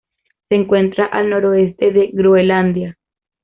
Se encuentra al noroeste de Groenlandia.